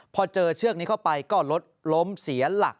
พอเจอเชือกนี้เข้าไปก็รถล้มเสียหลัก